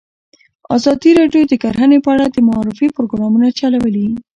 ازادي راډیو د کرهنه په اړه د معارفې پروګرامونه چلولي.